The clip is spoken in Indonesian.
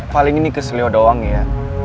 paling ini keselio doang ya